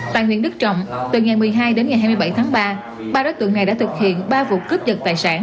tại huyện đức trọng từ ngày một mươi hai đến ngày hai mươi bảy tháng ba ba đối tượng này đã thực hiện ba vụ cướp giật tài sản